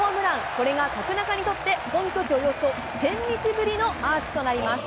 これが角中にとって、本拠地およそ１０００日ぶりのアーチとなります。